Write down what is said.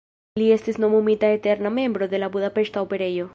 Li estis nomumita eterna membro de la Budapeŝta Operejo.